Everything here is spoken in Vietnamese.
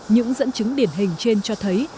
những dẫn chứng điển hình trên cho thấy